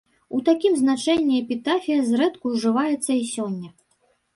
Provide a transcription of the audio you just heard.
У такім значэнні эпітафія зрэдку ўжываецца і сёння.